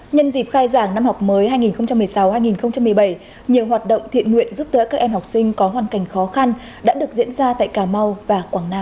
nhân dịp khai giảng năm học mới hai nghìn một mươi sáu hai nghìn một mươi bảy nhiều hoạt động thiện nguyện giúp đỡ các em học sinh có hoàn cảnh khó khăn đã được diễn ra tại cà mau và quảng nam